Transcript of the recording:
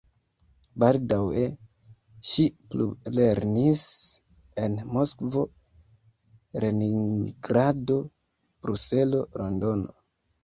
Baldaŭe ŝi plulernis en Moskvo, Leningrado, Bruselo, Londono.